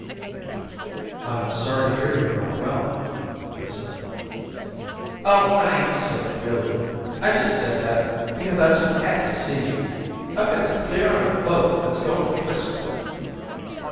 "I'm sorry to hear you're not well," he said. "Oh, I ain't sick really. I just said that, because I just had to see you. I've got to clear on a boat that's going to 'Frisco."